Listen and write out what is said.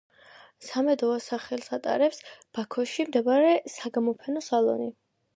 სამედოვას სახელს ატარებს ბაქოში მდებარე საგამოფენო სალონი.